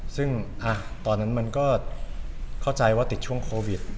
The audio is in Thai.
ซึ่งตอนนั้นมันก็เข้าใจว่าติดช่วงโควิด